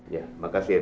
ya makasih opie ya